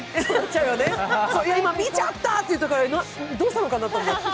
見ちゃったって言ったからどうしたのかなと思って。